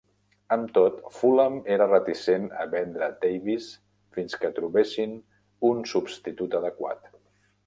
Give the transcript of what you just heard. Amb tot, Fulham era reticent a vendre Davis fins que trobessin un substitut adequat.